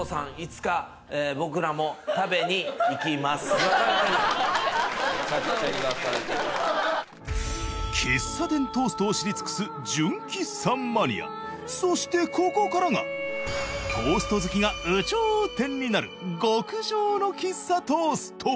ぜひ神田のエースで喫茶店トーストを知りつくす純喫茶マニアそしてここからがトースト好きが有頂天になる極上の喫茶トースト